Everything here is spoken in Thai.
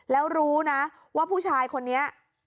แล้วรู้นะว่าผู้ชายคนนี้